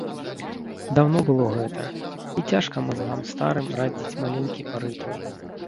Даўно было гэта, і цяжка мазгам старым радзіць малюнкі пары той.